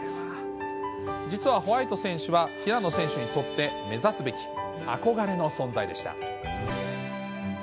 実はホワイト選手は平野選手にとって、目指すべき憧れの存在でした。